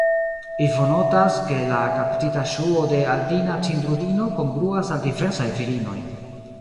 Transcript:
Ivo notas, ke la kaptita ŝuo de Aldina-Cindrulino kongruas al diversaj virinoj.